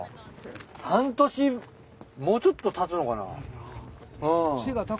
半年もうちょっとたつのかな？